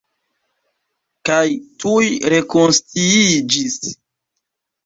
Kaj tuj rekonsciiĝis.